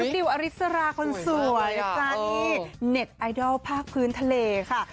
ดิวอริสราคนสวยนะจ๊ะนี่เน็ตไอดอลภาคพื้นทะเลค่ะ